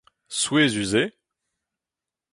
Souezhus eo !